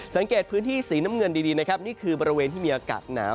สังเกตพื้นที่สีน้ำเงินดีนะครับนี่คือบริเวณที่มีอากาศหนาว